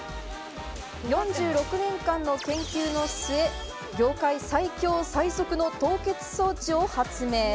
４６年間の研究の末、業界最強最速の凍結装置を発明。